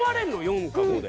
４か５で。